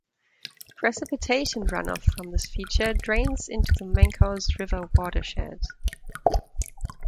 Precipitation runoff from this feature drains into the Mancos River watershed.